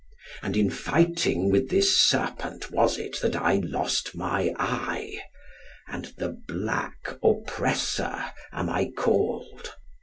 And in fighting with this serpent was it that I lost my eye. And the Black Oppressor am I called.